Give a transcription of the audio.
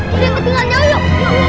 kita ketinggalan jauh yuk